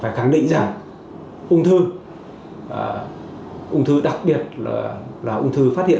phải khẳng định rằng ung thư ung thư đặc biệt là ung thư phát hiện